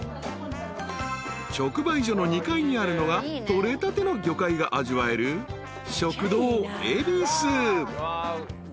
［直売所の２階にあるのが取れたての魚介が味わえる食堂恵比須］